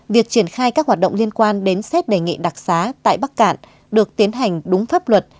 việc triển khai các hoạt động liên quan đến xét đề nghị đặc xá tại bắc cạn được tiến hành đúng pháp luật